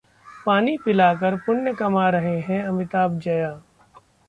पानी पिला कर पुण्य कमा रहे हैं अमिताभ-जया